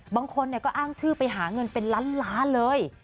บางคนก็อ้างชื่อไปหาเงินเป็นล้านล้านเลย